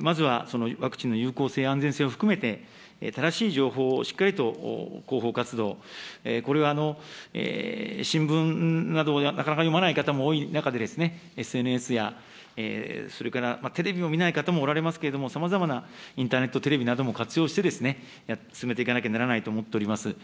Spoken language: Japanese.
まずはそのワクチンの有効性、安全性を含めて、正しい情報をしっかりと広報活動、これは新聞など、なかなか読まない方も多い中で、ＳＮＳやそれからテレビも見ない方もおられますけれども、さまざまなインターネット、テレビなども活用して、進めていかなきゃならないと思っております。